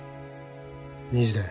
２時だよ